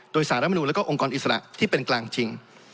โดยสารมนูลและองค์กรอิสระที่เป็นกลางจริง